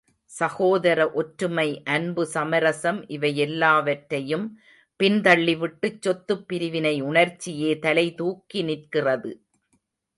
சகோதர ஒற்றுமை அன்பு, சமரசம் இவையெல்லாவற்றையும் பின்தள்ளிவிட்டுச் சொத்துப் பிரிவினை உணர்ச்சியே தலை தூக்கி நிற்கிறது.